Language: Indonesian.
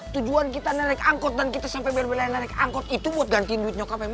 tujuan kita nenek angkot dan kita sampai beli beli nenek angkot itu buat gantiin duit nyokapnya melly